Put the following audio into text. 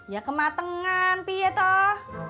ya kematangan pia toh